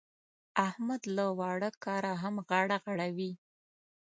احمد له واړه کاره هم غاړه غړوي.